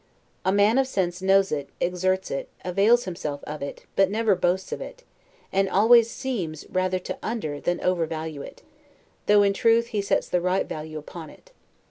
A man of sense knows it, exerts it, avails himself of it, but never boasts of it; and always SEEMS rather to under than over value it, though in truth, he sets the right value upon it.